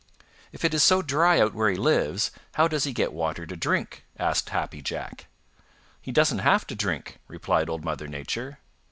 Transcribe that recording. "If it is so dry out where he lives, how does he get water to drink?" asked Happy Jack. "He doesn't have to drink," replied Old Mother Nature.